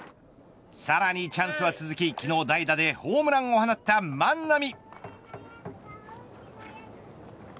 さらにチャンスは続き昨日代打でホームランを放った万波。